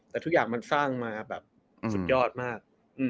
แต่ทุกอย่างมันสร้างมาแบบสุดยอดมาก